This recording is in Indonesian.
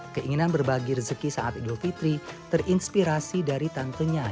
keinginan berbagi rezeki saat idul fitri terinspirasi dari tantenya